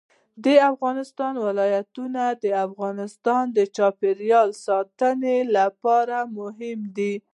د افغانستان ولايتونه د افغانستان د چاپیریال ساتنې لپاره مهم دي.